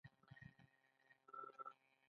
دا د هر انسان هیله ده.